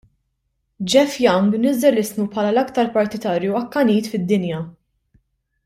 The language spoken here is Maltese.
Jeff Young niżżel ismu bħala l-aktar partitarju akkanit fid-dinja.